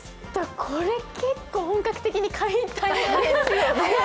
これ結構本格的に買いたいですね。